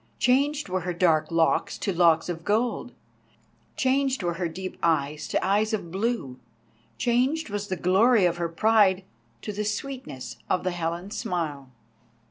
Changed were her dark locks to locks of gold, changed were her deep eyes to eyes of blue, changed was the glory of her pride to the sweetness of the Helen's smile.